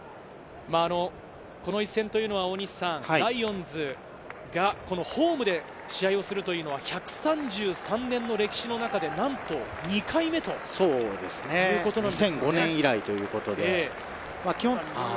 この一戦というのはライオンズがホームで試合をするというのは１３３年の歴史の中でなんと２回目ということなんです。